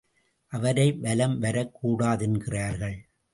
அவரை வலம் வரக் கூடாதென்கிறார்கள்.